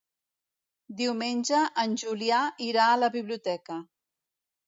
Diumenge en Julià irà a la biblioteca.